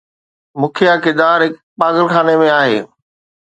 مکيه ڪردار هڪ پاگل خاني ۾ آهي.